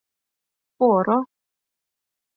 Поро!